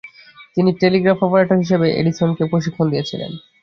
তিনি telegraph operator হিসাবে এডিসনকে প্রশিক্ষণ দিয়েছিলেন।